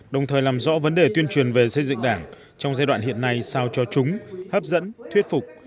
đồng thời làm rõ vấn đề tuyên truyền về xây dựng đảng trong giai đoạn hiện nay sao cho chúng hấp dẫn thuyết phục